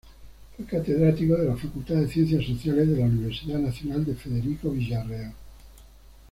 Fue catedrático de la Facultad de Ciencias Sociales de la Universidad Nacional Federico Villarreal.